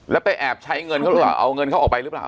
แล้วไปแอบใช้เงินเขาหรือเปล่าเอาเงินเขาออกไปหรือเปล่า